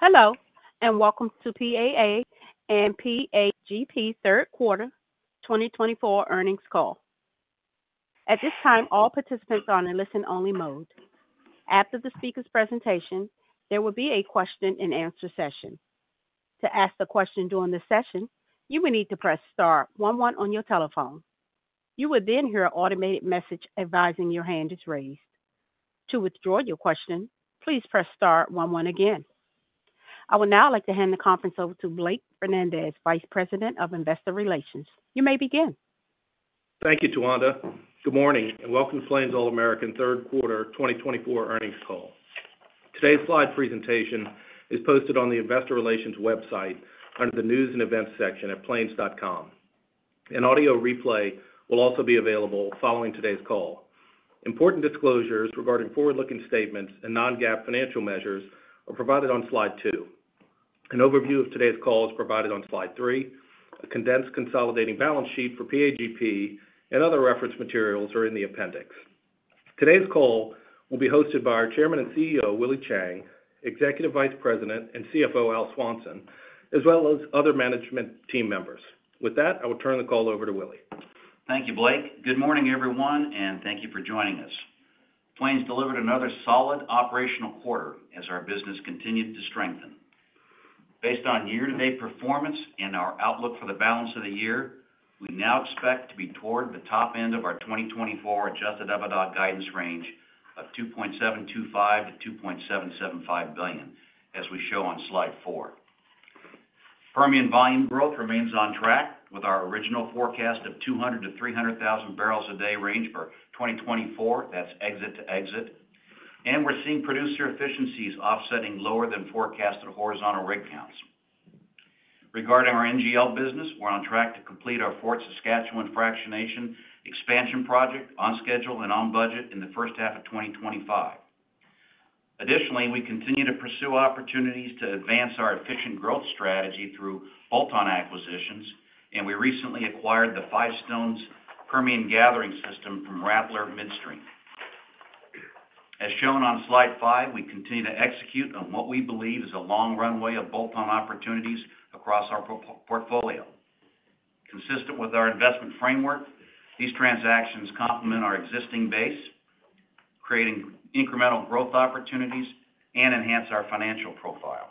Hello, and welcome to PAA and PAGP third quarter 2024 earnings call. At this time, all participants are on a listen-only mode. After the speaker's presentation, there will be a question-and-answer session. To ask a question during this session, you will need to press star one one on your telephone. You will then hear an automated message advising your hand is raised. To withdraw your question, please press star one one again. I would now like to hand the conference over to Blake Fernandez, Vice President of Investor Relations. You may begin. Thank you, Tawanda. Good morning, and welcome to Plains All American third quarter 2024 earnings call. Today's slide presentation is posted on the Investor Relations website under the News and Events section at plains.com. An audio replay will also be available following today's call. Important disclosures regarding forward-looking statements and non-GAAP financial measures are provided on slide two. An overview of today's call is provided on slide three. A condensed consolidating balance sheet for PAGP and other reference materials are in the appendix. Today's call will be hosted by our Chairman and CEO, Willie Chiang, Executive Vice President, and CFO, Al Swanson, as well as other management team members. With that, I will turn the call over to Willie. Thank you, Blake. Good morning, everyone, and thank you for joining us. Plains delivered another solid operational quarter as our business continued to strengthen. Based on year-to-date performance and our outlook for the balance of the year, we now expect to be toward the top end of our 2024 Adjusted EBITDA guidance range of $2.725 billion-$2.775 billion, as we show on slide four. Permian volume growth remains on track with our original forecast of $200,000-$300,000 bbls a day range for 2024. That's exit to exit, and we're seeing producer efficiencies offsetting lower-than-forecasted horizontal rig counts. Regarding our NGL business, we're on track to complete our Fort Saskatchewan Fractionation Expansion project on schedule and on budget in the first half of 2025. Additionally, we continue to pursue opportunities to advance our efficient growth strategy through bolt-on acquisitions, and we recently acquired the Five Stones Permian gathering system from Rattler Midstream. As shown on slide five, we continue to execute on what we believe is a long runway of bolt-on opportunities across our portfolio. Consistent with our investment framework, these transactions complement our existing base, creating incremental growth opportunities and enhance our financial profile.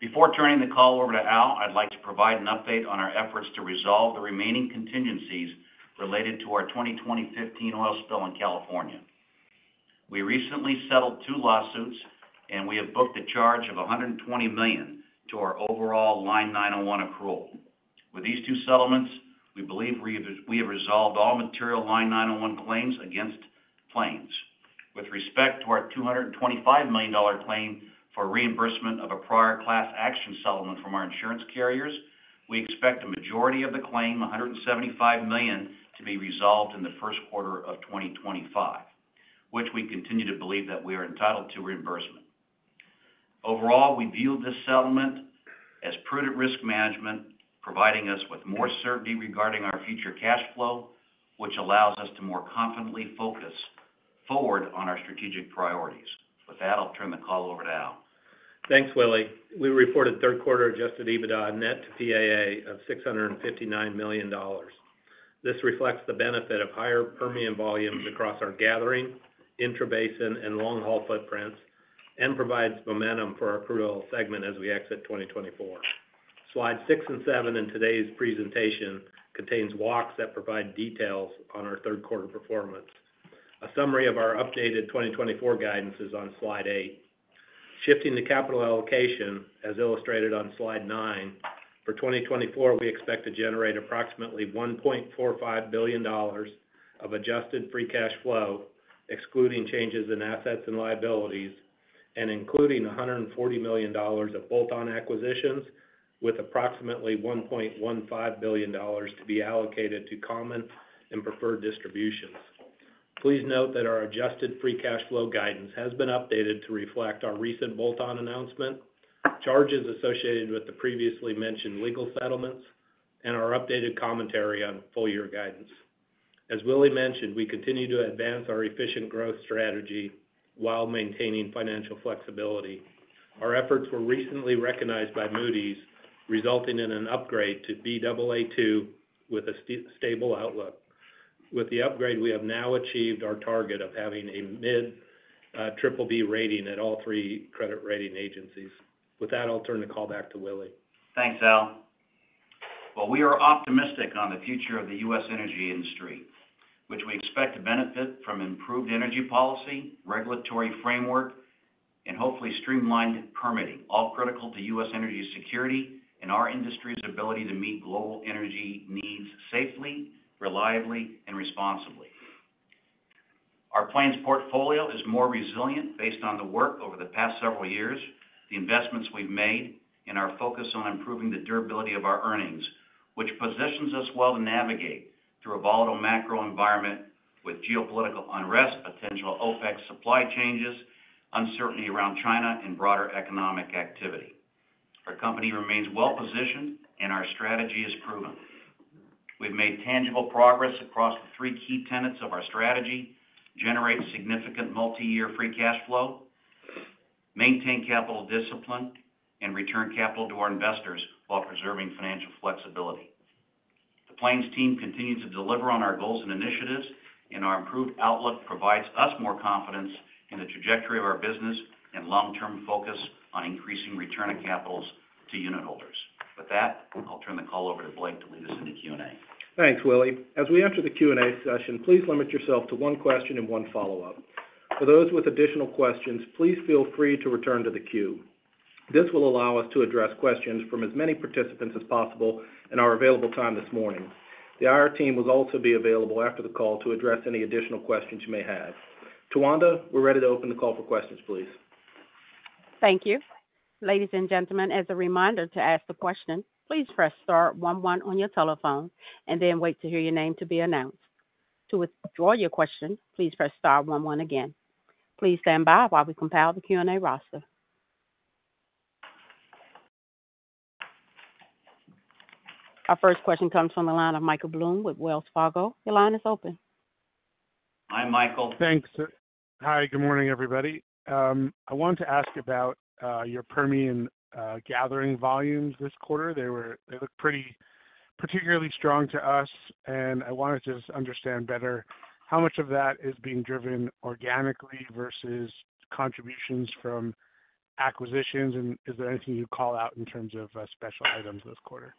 Before turning the call over to Al, I'd like to provide an update on our efforts to resolve the remaining contingencies related to our 2015 oil spill in California. We recently settled two lawsuits, and we have booked a charge of $120 million to our overall Line 901 accrual. With these two settlements, we believe we have resolved all material Line 901 claims against Plains. With respect to our $225 million claim for reimbursement of a prior class action settlement from our insurance carriers, we expect the majority of the claim, $175 million, to be resolved in the first quarter of 2025, which we continue to believe that we are entitled to reimbursement. Overall, we view this settlement as prudent risk management, providing us with more certainty regarding our future cash flow, which allows us to more confidently focus forward on our strategic priorities. With that, I'll turn the call over to Al. Thanks, Willie. We reported third quarter adjusted EBITDA net to PAA of $659 million. This reflects the benefit of higher Permian volumes across our gathering, intrabasin, and long-haul footprints, and provides momentum for our crude oil segment as we exit 2024. Slide six and seven in today's presentation contain walks that provide details on our third quarter performance. A summary of our updated 2024 guidance is on slide eight. Shifting the capital allocation, as illustrated on slide nine, for 2024, we expect to generate approximately $1.45 billion of adjusted free cash flow, excluding changes in assets and liabilities, and including $140 million of bolt-on acquisitions, with approximately $1.15 billion to be allocated to common and preferred distributions. Please note that our adjusted free cash flow guidance has been updated to reflect our recent bolt-on announcement, charges associated with the previously mentioned legal settlements, and our updated commentary on full-year guidance. As Willie mentioned, we continue to advance our efficient growth strategy while maintaining financial flexibility. Our efforts were recently recognized by Moody's, resulting in an upgrade to Baa2 with a stable outlook. With the upgrade, we have now achieved our target of having a mid-BBB rating at all three credit rating agencies. With that, I'll turn the call back to Willie. Thanks, Al. We are optimistic on the future of the U.S. energy industry, which we expect to benefit from improved energy policy, regulatory framework, and hopefully streamlined permitting, all critical to U.S. energy security and our industry's ability to meet global energy needs safely, reliably, and responsibly. Our Plains portfolio is more resilient based on the work over the past several years, the investments we've made, and our focus on improving the durability of our earnings, which positions us well to navigate through a volatile macro environment with geopolitical unrest, potential OPEC supply changes, uncertainty around China, and broader economic activity. Our company remains well-positioned, and our strategy is proven. We've made tangible progress across the three key tenets of our strategy: generate significant multi-year free cash flow, maintain capital discipline, and return capital to our investors while preserving financial flexibility. The Plains team continues to deliver on our goals and initiatives, and our improved outlook provides us more confidence in the trajectory of our business and long-term focus on increasing return of capitals to unit holders. With that, I'll turn the call over to Blake to lead us into Q&A. Thanks, Willie. As we enter the Q&A session, please limit yourself to one question and one follow-up. For those with additional questions, please feel free to return to the queue. This will allow us to address questions from as many participants as possible in our available time this morning. The IR team will also be available after the call to address any additional questions you may have. Tawanda, we're ready to open the call for questions, please. Thank you. Ladies and gentlemen, as a reminder to ask the question, please press star one one on your telephone and then wait to hear your name to be announced. To withdraw your question, please press star one one again. Please stand by while we compile the Q&A roster. Our first question comes from Michael Blum with Wells Fargo. Your line is open. Hi, Michael. Thanks, sir. Hi, good morning, everybody. I wanted to ask about your Permian gathering volumes this quarter. They looked pretty particularly strong to us, and I wanted to just understand better how much of that is being driven organically versus contributions from acquisitions, and is there anything you'd call out in terms of special items this quarter?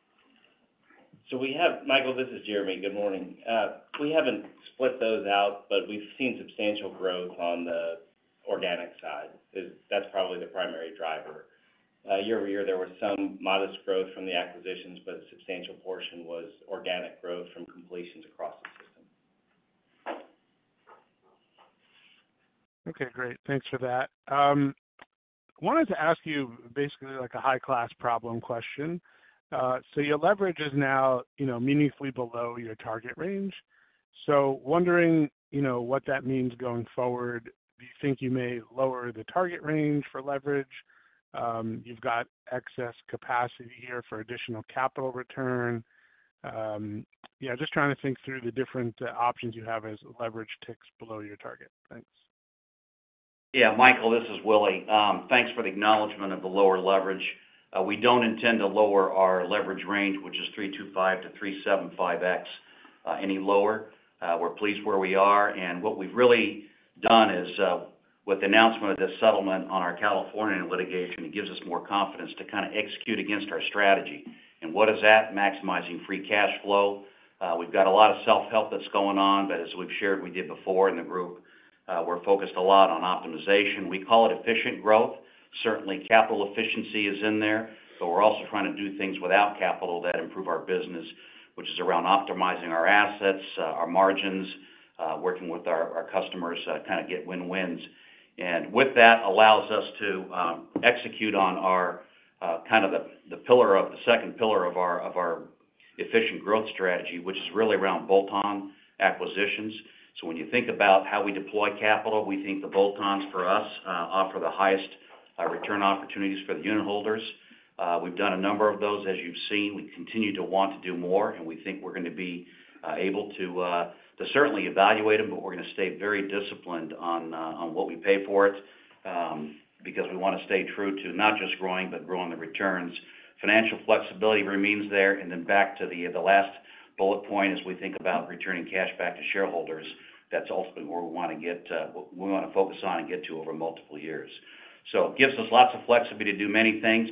So we have Michael, this is Jeremy. Good morning. We haven't split those out, but we've seen substantial growth on the organic side. That's probably the primary driver. Year over year, there was some modest growth from the acquisitions, but a substantial portion was organic growth from completions across the system. Okay, great. Thanks for that. I wanted to ask you basically like a high-class problem question. So your leverage is now meaningfully below your target range. So wondering what that means going forward. Do you think you may lower the target range for leverage? You've got excess capacity here for additional capital return. Yeah, just trying to think through the different options you have as leverage ticks below your target. Thanks. Yeah, Michael, this is Willie. Thanks for the acknowledgment of the lower leverage. We don't intend to lower our leverage range, which is 3.25x-3.75x, any lower. We're pleased where we are. And what we've really done is, with the announcement of this settlement on our California litigation, it gives us more confidence to kind of execute against our strategy. And what is that? Maximizing free cash flow. We've got a lot of self-help that's going on, but as we've shared, we did before in the group, we're focused a lot on optimization. We call it efficient growth. Certainly, capital efficiency is in there, but we're also trying to do things without capital that improve our business, which is around optimizing our assets, our margins, working with our customers to kind of get win-wins. With that, it allows us to execute on our kind of the pillar of the second pillar of our efficient growth strategy, which is really around bolt-on acquisitions. When you think about how we deploy capital, we think the bolt-ons for us offer the highest return opportunities for the unit holders. We've done a number of those, as you've seen. We continue to want to do more, and we think we're going to be able to certainly evaluate them, but we're going to stay very disciplined on what we pay for it because we want to stay true to not just growing, but growing the returns. Financial flexibility remains there. Then back to the last bullet point, as we think about returning cash back to shareholders, that's ultimately where we want to get to, what we want to focus on and get to over multiple years. So it gives us lots of flexibility to do many things.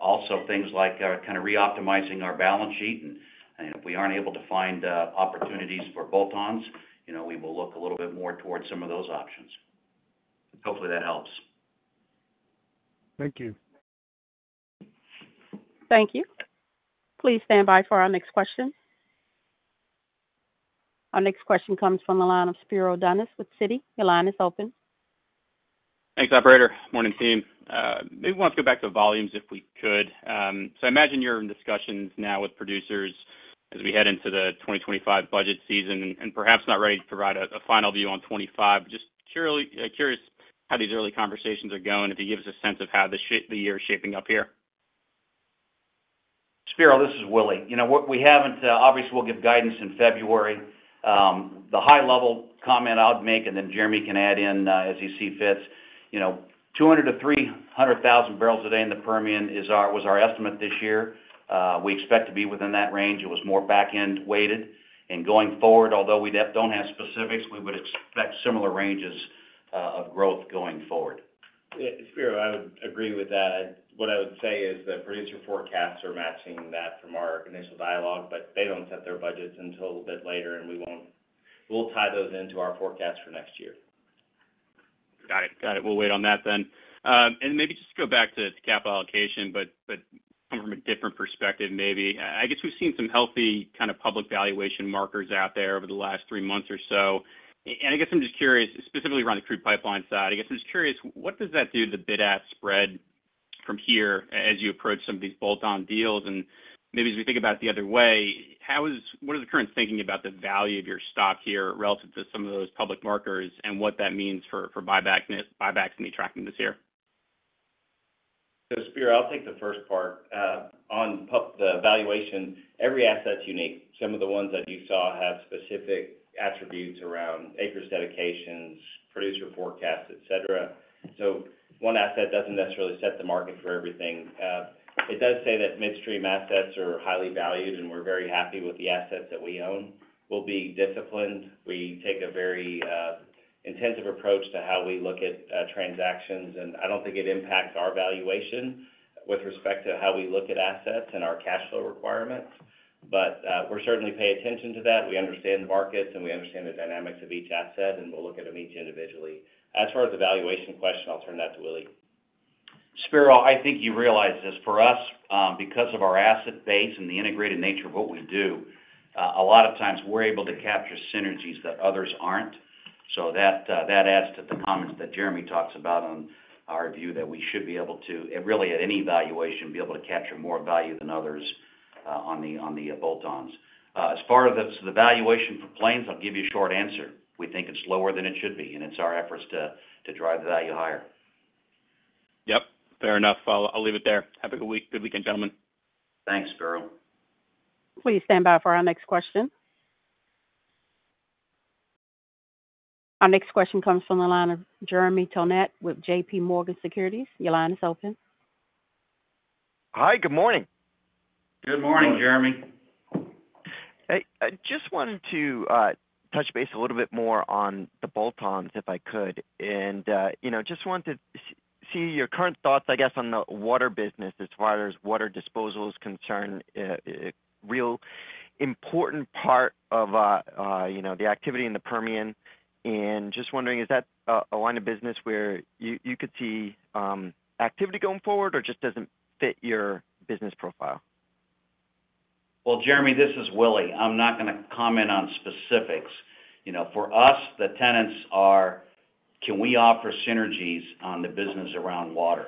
Also, things like kind of re-optimizing our balance sheet. And if we aren't able to find opportunities for bolt-ons, we will look a little bit more towards some of those options. Hopefully, that helps. Thank you. Thank you. Please stand by for our next question. Our next question comes from Spiro Dounis with Citi. Your line is open. Thanks, Operator. Morning, team. Maybe we want to go back to volumes if we could. So I imagine you're in discussions now with producers as we head into the 2025 budget season and perhaps not ready to provide a final view on 2025. Just curious how these early conversations are going, if you give us a sense of how the year is shaping up here. Spiro, this is Willie. We haven't obviously. We will give guidance in February. The high-level comment I'd make, and then Jeremy can add in as he sees fits, 200,000 bbls-300,000 bbls a day in the Permian was our estimate this year. We expect to be within that range. It was more back-end weighted, and going forward, although we don't have specifics, we would expect similar ranges of growth going forward. Yeah, Spiro, I would agree with that. What I would say is the producer forecasts are matching that from our initial dialogue, but they don't set their budgets until a bit later, and we'll tie those into our forecast for next year. Got it. Got it. We'll wait on that then. And maybe just to go back to capital allocation, but from a different perspective, maybe. I guess we've seen some healthy kind of public valuation markers out there over the last three months or so. And I guess I'm just curious, specifically around the crude pipeline side, I guess I'm just curious, what does that do to the bid-ask spread from here as you approach some of these bolt-on deals? And maybe as we think about it the other way, what is the current thinking about the value of your stock here relative to some of those public markers and what that means for buybacks and the tuck-ins this year? So Spiro, I'll take the first part. On the valuation, every asset's unique. Some of the ones that you saw have specific attributes around acreage dedications, producer forecasts, etc. So one asset doesn't necessarily set the market for everything. It does say that midstream assets are highly valued, and we're very happy with the assets that we own. We'll be disciplined. We take a very intensive approach to how we look at transactions, and I don't think it impacts our valuation with respect to how we look at assets and our cash flow requirements. But we're certainly paying attention to that. We understand the markets, and we understand the dynamics of each asset, and we'll look at them each individually. As far as the valuation question, I'll turn that to Willie. Spiro, I think you realize this for us, because of our asset base and the integrated nature of what we do, a lot of times we're able to capture synergies that others aren't. So that adds to the comments that Jeremy talks about on our view that we should be able to, really at any valuation, be able to capture more value than others on the bolt-ons. As far as the valuation for Plains, I'll give you a short answer. We think it's lower than it should be, and it's our efforts to drive the value higher. Yep. Fair enough. I'll leave it there. Have a good weekend, gentlemen. Thanks, Spiro. Please stand by for our next question. Our next question comes from Jeremy Tonet with JPMorgan Securities. Your line is open. Hi, good morning. Good morning, Jeremy. Hey, I just wanted to touch base a little bit more on the bolt-ons if I could. And just wanted to see your current thoughts, I guess, on the water business as far as water disposal is concerned, a real important part of the activity in the Permian. And just wondering, is that a line of business where you could see activity going forward or just doesn't fit your business profile? Jeremy, this is Willie. I'm not going to comment on specifics. For us, the tenets are, can we offer synergies on the business around water?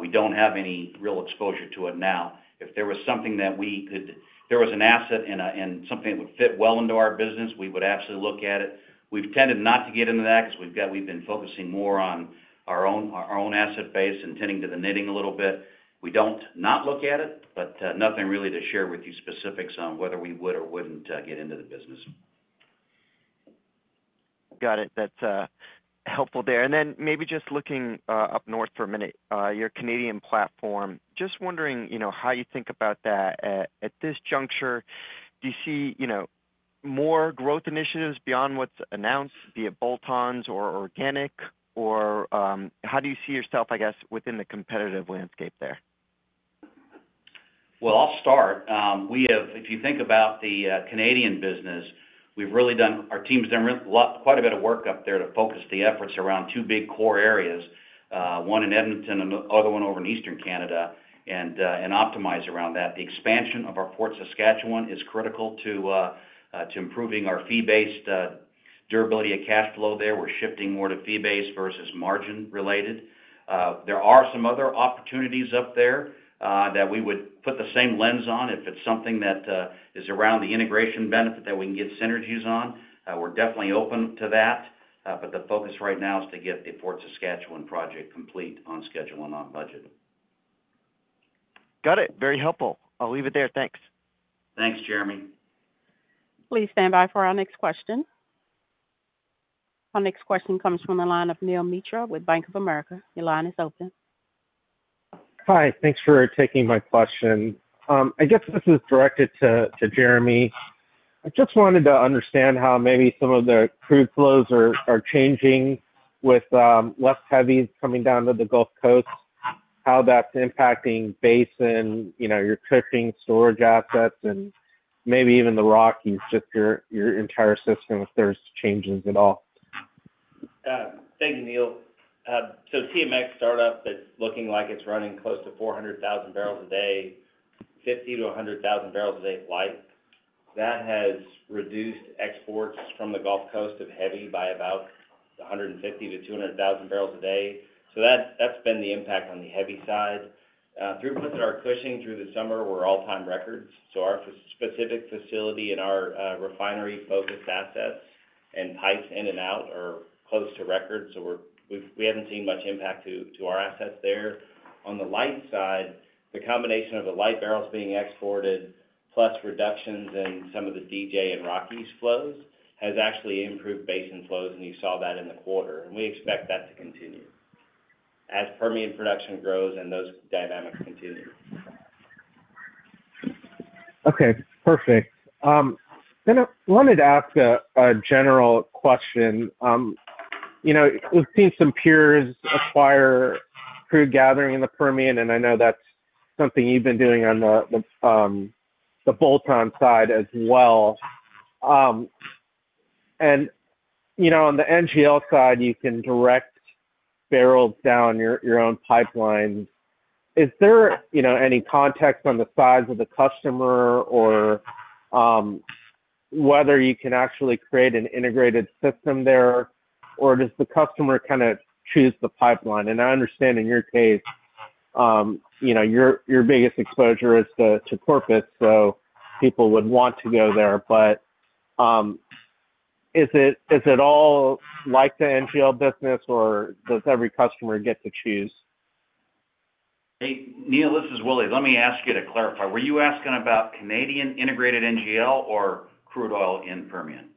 We don't have any real exposure to it now. If there was something that we could, if there was an asset and something that would fit well into our business, we would absolutely look at it. We've tended not to get into that because we've been focusing more on our own asset base and tending to the knitting a little bit. We don't not look at it, but nothing really to share with you specifics on whether we would or wouldn't get into the business. Got it. That's helpful there. And then maybe just looking up north for a minute, your Canadian platform, just wondering how you think about that at this juncture. Do you see more growth initiatives beyond what's announced, be it bolt-ons or organic, or how do you see yourself, I guess, within the competitive landscape there? I'll start. If you think about the Canadian business, we've really done quite a bit of work up there to focus the efforts around two big core areas, one in Edmonton and the other one over in Eastern Canada, and optimize around that. The expansion of our Fort Saskatchewan is critical to improving our fee-based durability of cash flow there. We're shifting more to fee-based versus margin-related. There are some other opportunities up there that we would put the same lens on if it's something that is around the integration benefit that we can get synergies on. We're definitely open to that, but the focus right now is to get the Fort Saskatchewan project complete on schedule and on budget. Got it. Very helpful. I'll leave it there. Thanks. Thanks, Jeremy. Please stand by for our next question. Our next question comes from Neel Mitra with Bank of America. Your line is open. Hi. Thanks for taking my question. I guess this is directed to Jeremy. I just wanted to understand how maybe some of the crude flows are changing with less heavy coming down to the Gulf Coast, how that's impacting basin and your trucking storage assets and maybe even the Rockies, just your entire system if there's changes at all. Thank you, Neel. TMX startup, it's looking like it's running close to 400,000 bbls a day, 50,000 bbls-100,000 bbls a day of light. That has reduced exports from the Gulf Coast of heavy by about 150,000 bbls-200,000 bbls a day. That's been the impact on the heavy side. Throughputs that are pushing through the summer were all-time records. Our specific facility and our refinery-focused assets and pipes in and out are close to record. We haven't seen much impact to our assets there. On the light side, the combination of the light barrels being exported plus reductions in some of the DJ and Rockies flows has actually improved basin flows, and you saw that in the quarter. We expect that to continue as Permian production grows and those dynamics continue. Okay. Perfect. Then I wanted to ask a general question. We've seen some peers acquire crude gathering in the Permian, and I know that's something you've been doing on the bolt-on side as well. And on the NGL side, you can direct barrels down your own pipelines. Is there any context on the size of the customer or whether you can actually create an integrated system there, or does the customer kind of choose the pipeline? And I understand in your case, your biggest exposure is to Corpus, so people would want to go there. But is it all like the NGL business, or does every customer get to choose? Hey, Neel, this is Willie. Let me ask you to clarify. Were you asking about Canadian integrated NGL or crude oil in Permian?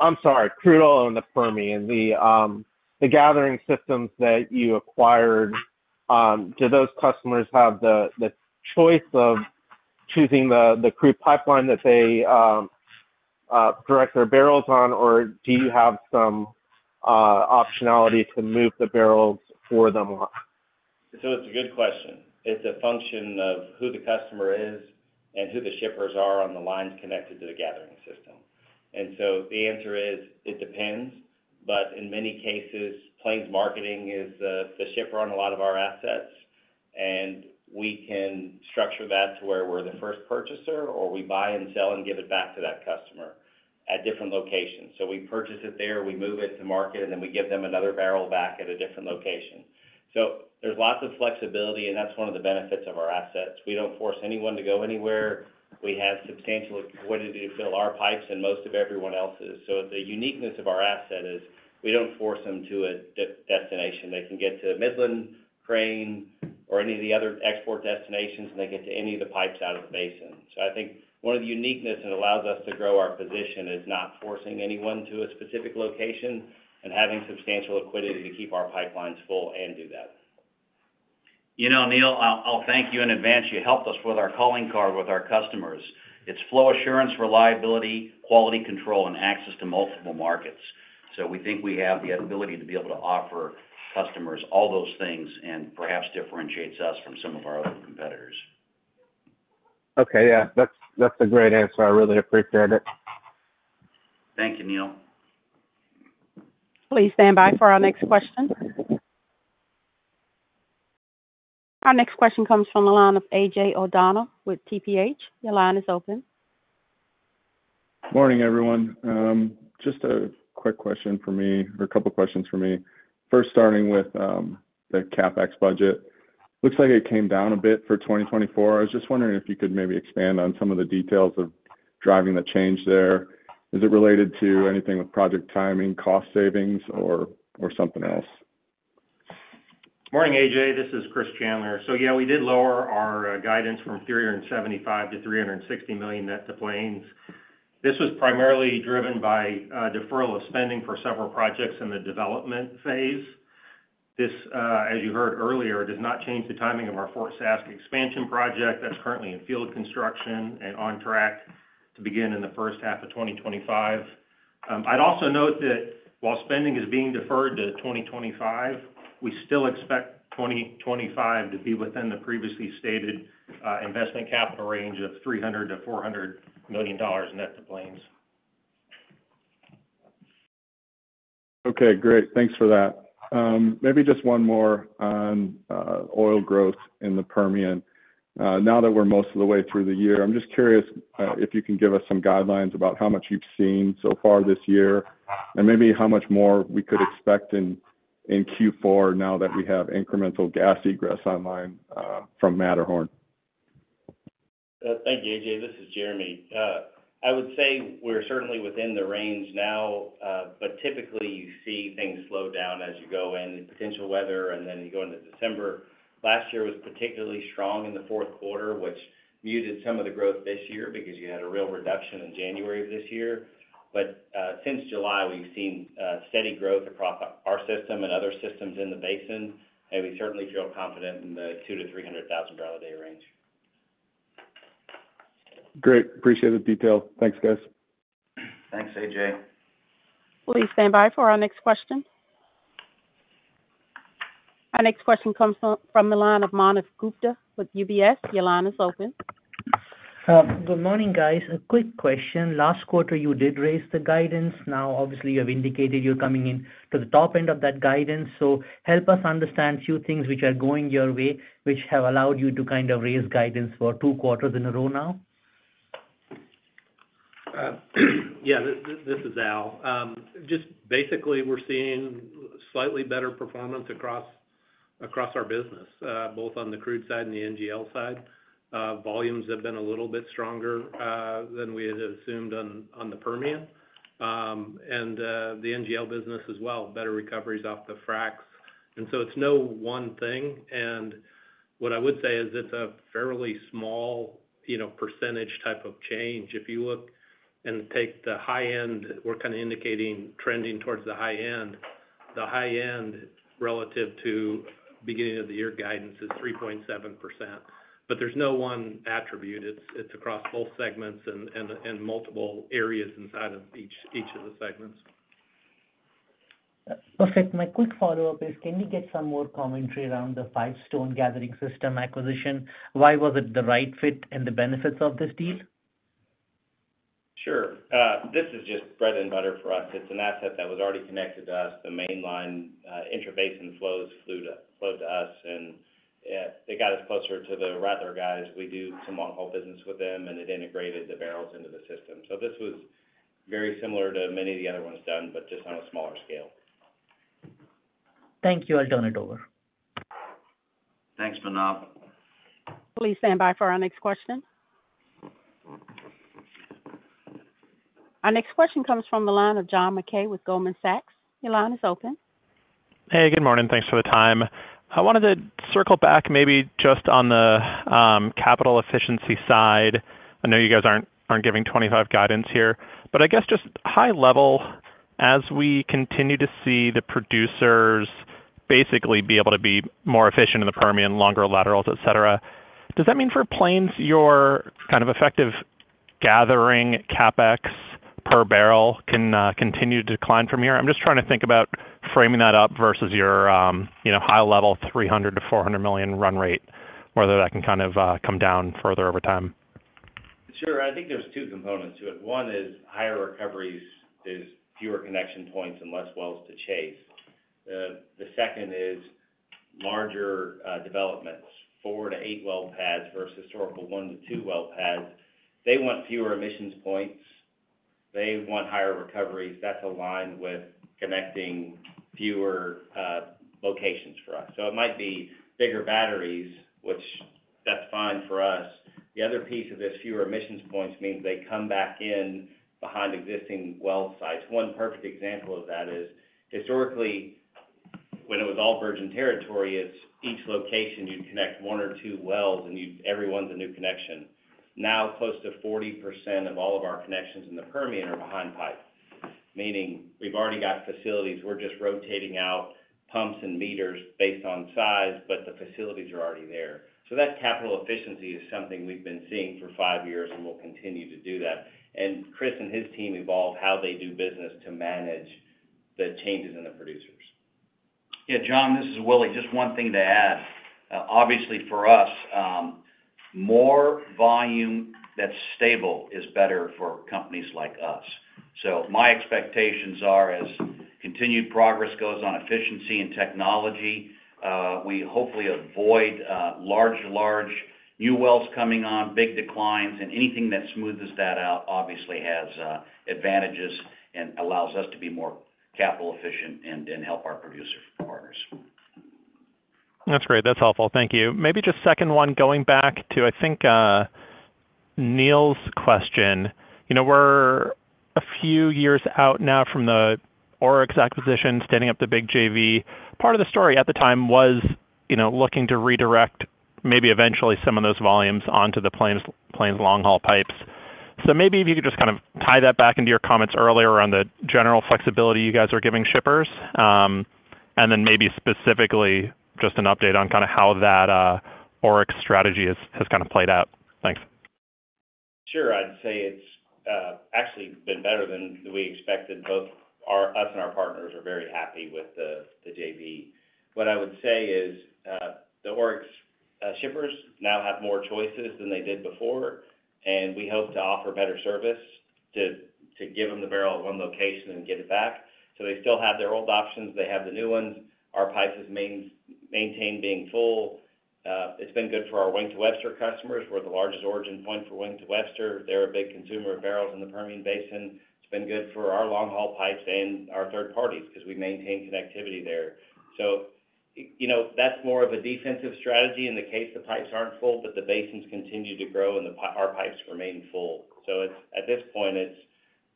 I'm sorry. Crude oil in the Permian. The gathering systems that you acquired, do those customers have the choice of choosing the crude pipeline that they direct their barrels on, or do you have some optionality to move the barrels for them? So it's a good question. It's a function of who the customer is and who the shippers are on the lines connected to the gathering system. And so the answer is it depends, but in many cases, Plains Marketing is the shipper on a lot of our assets, and we can structure that to where we're the first purchaser, or we buy and sell and give it back to that customer at different locations. So we purchase it there, we move it to market, and then we give them another barrel back at a different location. So there's lots of flexibility, and that's one of the benefits of our assets. We don't force anyone to go anywhere. We have substantial liquidity to fill our pipes and most of everyone else's. So the uniqueness of our asset is we don't force them to a destination. They can get to Midland Crane, or any of the other export destinations, and they get to any of the pipes out of the basin. So I think one of the uniqueness that allows us to grow our position is not forcing anyone to a specific location and having substantial liquidity to keep our pipelines full and do that. You know, Neel, I'll thank you in advance. You helped us with our calling card with our customers. It's flow assurance, reliability, quality control, and access to multiple markets. So we think we have the ability to be able to offer customers all those things and perhaps differentiate us from some of our other competitors. Okay. Yeah. That's a great answer. I really appreciate it. Thank you, Neel. Please stand by for our next question. Our next question comes from AJ O'Donnell with TPH. Your line is open. Morning, everyone. Just a quick question for me, or a couple of questions for me. First, starting with the CapEx budget. Looks like it came down a bit for 2024. I was just wondering if you could maybe expand on some of the details of driving the change there. Is it related to anything with project timing, cost savings, or something else? Morning, AJ. This is Chris Chandler. So yeah, we did lower our guidance from $375 million-$360 million net to Plains. This was primarily driven by a deferral of spending for several projects in the development phase. This, as you heard earlier, does not change the timing of our Fort Saskatchewan expansion project that's currently in field construction and on track to begin in the first half of 2025. I'd also note that while spending is being deferred to 2025, we still expect 2025 to be within the previously stated investment capital range of $300 million-$400 million net to Plains. Okay. Great. Thanks for that. Maybe just one more on oil growth in the Permian. Now that we're most of the way through the year, I'm just curious if you can give us some guidelines about how much you've seen so far this year and maybe how much more we could expect in Q4 now that we have incremental gas egress online from Matterhorn? Thank you, AJ. This is Jeremy. I would say we're certainly within the range now, but typically you see things slow down as you go into potential weather, and then you go into December. Last year was particularly strong in the fourth quarter, which muted some of the growth this year because you had a real reduction in January of this year. But since July, we've seen steady growth across our system and other systems in the basin, and we certainly feel confident in the 200,000 bbls-300,000 bbls day range. Great. Appreciate the detail. Thanks, guys. Thanks, AJ. Please stand by for our next question. Our next question comes from Manav Gupta with UBS. Your line is open. Good morning, guys. A quick question. Last quarter, you did raise the guidance. Now, obviously, you have indicated you're coming into the top end of that guidance. So help us understand a few things which are going your way, which have allowed you to kind of raise guidance for two quarters in a row now. Yeah. This is Al. Just basically, we're seeing slightly better performance across our business, both on the crude side and the NGL side. Volumes have been a little bit stronger than we had assumed on the Permian, and the NGL business as well, better recoveries off the fracs, and so it's no one thing, and what I would say is it's a fairly small percentage type of change. If you look and take the high-end, we're kind of indicating trending towards the high-end. The high-end relative to beginning of the year guidance is 3.7%, but there's no one attribute. It's across both segments and multiple areas inside of each of the segments. Perfect. My quick follow-up is, can we get some more commentary around the Five Stones gathering system acquisition? Why was it the right fit and the benefits of this deal? Sure. This is just bread and butter for us. It's an asset that was already connected to us. The mainline interface and flows flowed to us, and it got us closer to the Rattler guys. We do some on-call business with them, and it integrated the barrels into the system. So this was very similar to many of the other ones done, but just on a smaller scale. Thank you. I'll turn it over. Thanks, Manav. Please stand by for our next question. Our next question comes from the line of John Mackay with Goldman Sachs. Your line is open. Hey, good morning. Thanks for the time. I wanted to circle back maybe just on the capital efficiency side. I know you guys aren't giving 2025 guidance here, but I guess just high level, as we continue to see the producers basically be able to be more efficient in the Permian, longer laterals, etc., does that mean for Plains your kind of effective gathering CapEx per barrel can continue to decline from here? I'm just trying to think about framing that up versus your high-level $300 million-$400 million run rate, whether that can kind of come down further over time. Sure. I think there are two components to it. One is higher recoveries. There are fewer connection points and less wells to chase. The second is larger developments, four to eight well pads versus historical one to two well pads. They want fewer emissions points. They want higher recoveries. That's aligned with connecting fewer locations for us. So it might be bigger batteries, which that's fine for us. The other piece of this fewer emissions points means they come back in behind existing well sites. One perfect example of that is historically, when it was all virgin territory, each location you'd connect one or two wells, and everyone's a new connection. Now, close to 40% of all of our connections in the Permian are behind pipes, meaning we've already got facilities. We're just rotating out pumps and meters based on size, but the facilities are already there. So that capital efficiency is something we've been seeing for five years and will continue to do that. And Chris and his team evolve how they do business to manage the changes in the producers. Yeah. John, this is Willie. Just one thing to add. Obviously, for us, more volume that's stable is better for companies like us. So my expectations are, as continued progress goes on efficiency and technology, we hopefully avoid larger and larger new wells coming on, big declines, and anything that smoothes that out obviously has advantages and allows us to be more capital efficient and help our producer partners. That's great. That's helpful. Thank you. Maybe just second one, going back to, I think, Neel's question. We're a few years out now from the Oryx acquisition, standing up the big JV. Part of the story at the time was looking to redirect maybe eventually some of those volumes onto the Plains long-haul pipes. So maybe if you could just kind of tie that back into your comments earlier around the general flexibility you guys are giving shippers, and then maybe specifically just an update on kind of how that Oryx strategy has kind of played out. Thanks. Sure. I'd say it's actually been better than we expected. Both us and our partners are very happy with the JV. What I would say is the Oryx shippers now have more choices than they did before, and we hope to offer better service to give them the barrel at one location and get it back. So they still have their old options. They have the new ones. Our pipes are maintained being full. It's been good for our Wink to Webster customers. We're the largest origin point for Wink to Webster. They're a big consumer of barrels in the Permian Basin. It's been good for our long-haul pipes and our third parties because we maintain connectivity there. So that's more of a defensive strategy in the case the pipes aren't full, but the basins continue to grow and our pipes remain full. So at this point, it's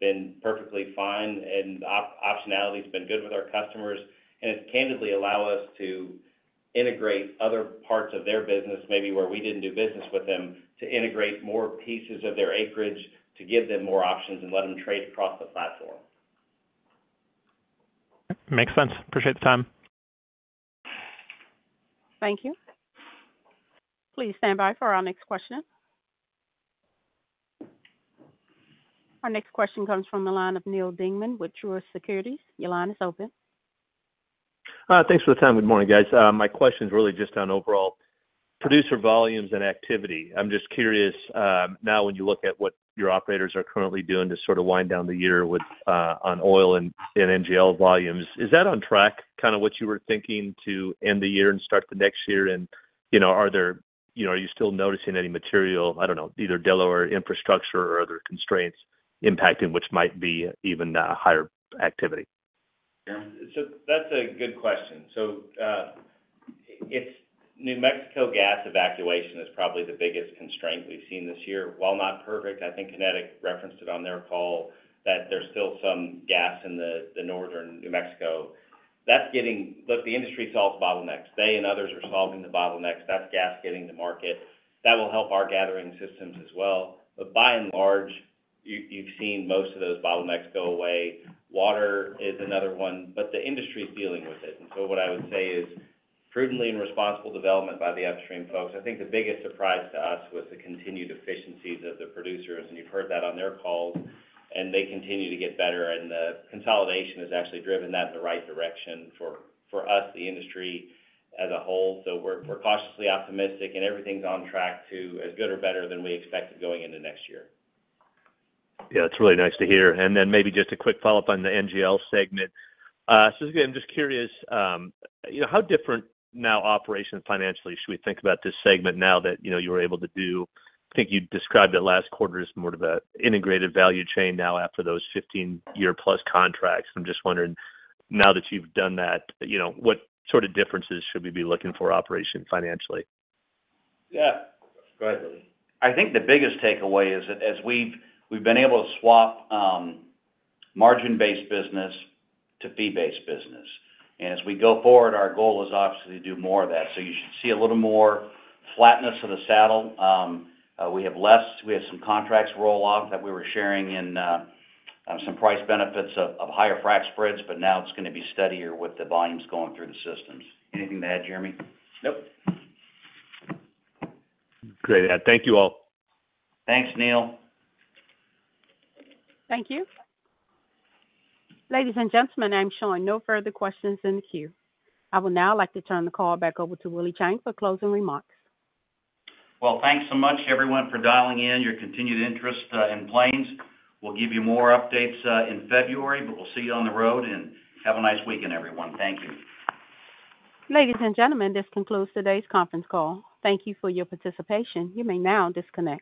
been perfectly fine, and optionality has been good with our customers. And it's candidly allowed us to integrate other parts of their business, maybe where we didn't do business with them, to integrate more pieces of their acreage to give them more options and let them trade across the platform. Makes sense. Appreciate the time. Thank you. Please stand by for our next question. Our next question comes from the line of Neel Dingmann with Truist Securities. Your line is open. Thanks for the time. Good morning, guys. My question is really just on overall producer volumes and activity. I'm just curious now when you look at what your operators are currently doing to sort of wind down the year on oil and NGL volumes, is that on track, kind of what you were thinking to end the year and start the next year? And are you still noticing any material, I don't know, either delivery infrastructure or other constraints impacting which might be even higher activity? So that's a good question. So New Mexico gas evacuation is probably the biggest constraint we've seen this year. While not perfect, I think Kinetik referenced it on their call that there's still some gas in the northern New Mexico. That's getting the industry solves bottlenecks. They and others are solving the bottlenecks. That's gas getting to market. That will help our gathering systems as well. But by and large, you've seen most of those bottlenecks go away. Water is another one, but the industry is dealing with it. And so what I would say is prudently and responsible development by the upstream folks. I think the biggest surprise to us was the continued efficiencies of the producers. And you've heard that on their calls, and they continue to get better. And the consolidation has actually driven that in the right direction for us, the industry as a whole. So we're cautiously optimistic, and everything's on track to as good or better than we expected going into next year. Yeah. That's really nice to hear. And then maybe just a quick follow-up on the NGL segment. So again, I'm just curious, how different now operations financially should we think about this segment now that you were able to do? I think you described it last quarter as more of an integrated value chain now after those 15+ year contracts. I'm just wondering, now that you've done that, what sort of differences should we be looking for operation financially? Yeah. Go ahead. I think the biggest takeaway is that we've been able to swap margin-based business to fee-based business. And as we go forward, our goal is obviously to do more of that. So you should see a little more flatness of the saddle. We have less. We have some contracts roll off that we were sharing and some price benefits of higher frac spreads, but now it's going to be steadier with the volumes going through the systems. Anything to add, Jeremy? Nope. Great. Thank you all. Thanks, Neal. Thank you. Ladies and gentlemen, I'm showing no further questions in the queue. I would now like to turn the call back over to Willie Chiang for closing remarks. Thanks so much, everyone, for dialing in. Your continued interest in Plains will give you more updates in February, but we'll see you on the road. Have a nice weekend, everyone. Thank you. Ladies and gentlemen, this concludes today's conference call. Thank you for your participation. You may now disconnect.